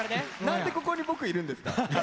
何でここに僕いるんですか？